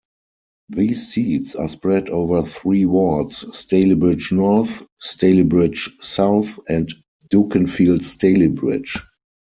These seats are spread over three wards: Stalybridge North, Stalybridge South and Dukinfield Stalybidge.